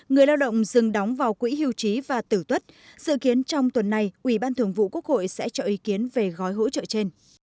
người lao động dừng đóng vào quỹ hiệu trí và tử tuất dự kiến trong tuần này ubthq sẽ cho ý kiến về gói hỗ trợ trên